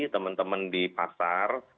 teman teman di pasar